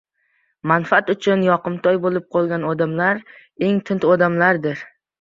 Manfaat uchun yoqimtoy bo‘lib qolgan odamlar — eng tund odamlardir.